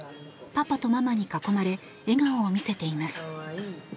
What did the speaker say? パパとママに囲まれ笑顔を見せています。